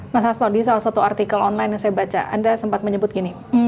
mas hasto di salah satu artikel online yang saya baca anda sempat menyebut gini